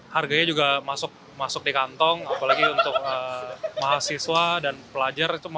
harganya juga masuk masuk di kantong apalagi untuk mahasiswa dan pelajar itu